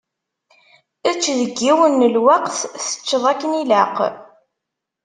Ečč deg yiwen n lweqt, teččeḍ akken ilaq.